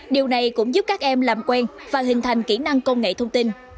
điều này cũng giúp các em làm quen và hình thành kỹ năng công nghệ thông tin